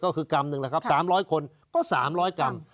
ก็คือกรรมหนึ่งแหละครับสามร้อยคนก็สามร้อยกรรม